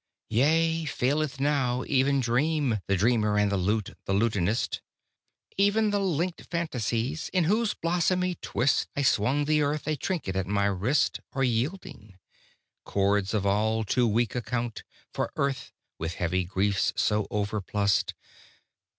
Yea, faileth now even dream The dreamer, and the lute the lutanist; Even the linked fantasies, in whose blossomy twist I swung the earth a trinket at my wrist, Are yielding; cords of all too weak account For earth, with heavy griefs so overplussed.